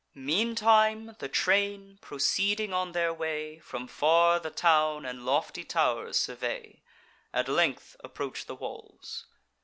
Meantime the train, proceeding on their way, From far the town and lofty tow'rs survey; At length approach the walls.